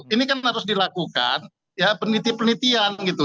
ini kan harus dilakukan ya peneliti penelitian gitu